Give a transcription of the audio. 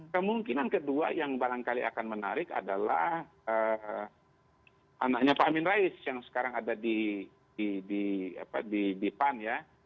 kemungkinan kedua yang barangkali akan menarik adalah anaknya pak amin rais yang sekarang ada di pan ya